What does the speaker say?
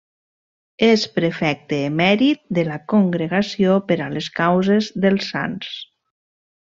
És Prefecte emèrit de la Congregació per a les Causes dels Sants.